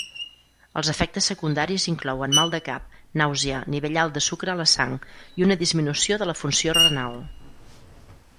Els efectes secundaris inclouen mal de cap, nàusea, nivell alt de sucre a la sang i una disminució de la funció renal.